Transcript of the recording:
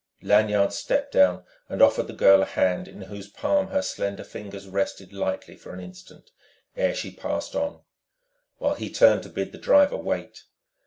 Lanyard stepped down and offered the girl a hand in whose palm her slender fingers rested lightly for an instant ere she passed on, while he turned to bid the driver wait.